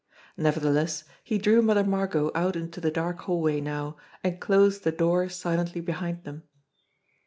Nevertheless, he drew Mother Margot out into the dark hallway now, and closed the door silently behind them.